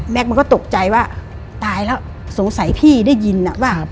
มันก็ตกใจว่าตายแล้วสงสัยพี่ได้ยินอ่ะว่า